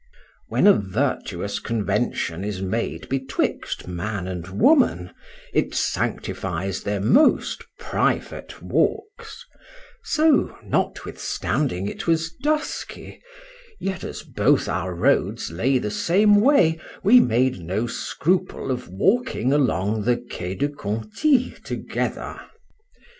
When a virtuous convention is made betwixt man and woman, it sanctifies their most private walks: so, notwithstanding it was dusky, yet as both our roads lay the same way, we made no scruple of walking along the Quai de Conti together.